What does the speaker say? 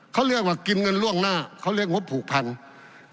เขาเรียกว่ากินเงินล่วงหน้าเขาเรียกงบผูกพันธุ์